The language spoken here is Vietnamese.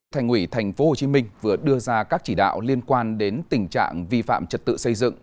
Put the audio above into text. thành ủy tp hcm vừa đưa ra các chỉ đạo liên quan đến tình trạng vi phạm trật tự xây dựng